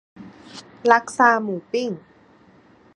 ลักซาหมูปิ้ง